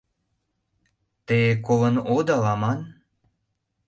Те колын одал аман...